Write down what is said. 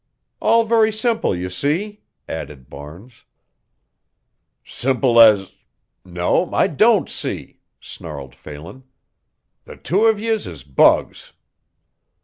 "All very simple, you see," added Barnes. "Simple as no, I don't see," snarled Phelan. "The two of yez is bugs."